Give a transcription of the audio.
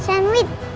kamu harus mencari